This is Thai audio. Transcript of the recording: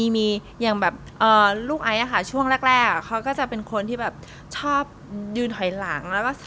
มีอย่างแบบลูกไอซ์ช่วงแรกเขาก็จะเป็นคนที่แบบชอบยืนถอยหลัง